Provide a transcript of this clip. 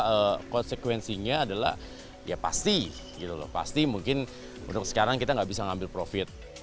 walaupun mungkin konsekuensinya adalah ya pasti pasti mungkin untuk sekarang kita tidak bisa mengambil profit